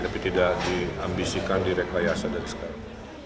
tapi tidak diambisikan direkayasa dari sekarang